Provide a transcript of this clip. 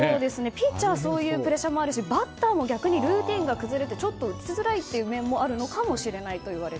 ピッチャーはそういうプレッシャーがあるしバッターもルーティンが崩れて打ちづらい面もあるのかもしれません。